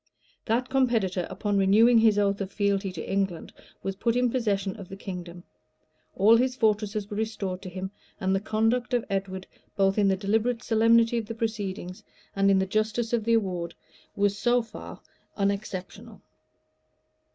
That competitor, upon renewing his oath of fealty to England, was put in possession of the kingdom;[*] all his fortresses were restored to him;[] and the conduct of Edward, both in the deliberate solemnity of the proceedings, and in the justice of the award, was so far unexceptionable.